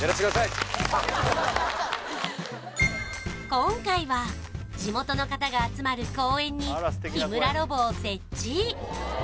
今回は地元の方が集まる公園に日村ロボを設置